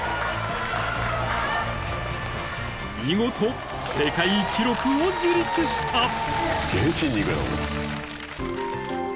［見事世界記録を樹立した］